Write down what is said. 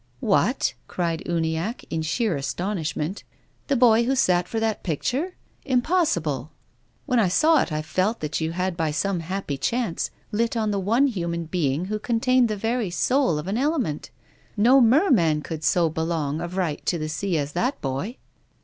" What ?" cried Uniacke, in sheer astonishment, " the boy who sat for that picture? Impossible! 24 TONGUES OF CONSCIENCE. When I saw it I felt that you had by some happy chance lit on the one human being who contained the very soul of an element. No merman could so belong of right to the sea as that boy."